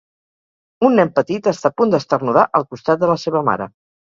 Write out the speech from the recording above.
Un nen petit està a punt d'esternudar al costat de la seva mare.